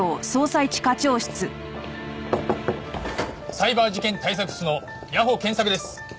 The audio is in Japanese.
サイバー事件対策室の谷保健作です。